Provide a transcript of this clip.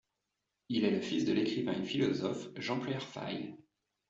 Il est le fils de l'écrivain et philosophe Jean-Pierre Faye.